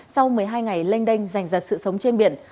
sau một mươi hai ngày lênh đênh dành ra sự sống trên biển